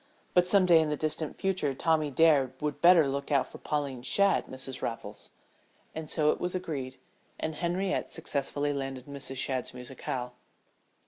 But some day in the distant future Tommy Dare would better look out for Pauline Shadd, Mrs. Van Raffles." And so it was agreed, and Henriette successfully landed Mrs. Shadd's musicale.